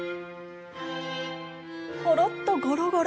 ほろっとゴロゴロ！